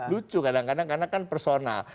lucu kadang kadang karena kan personal